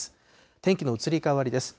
天気の移り変わりです。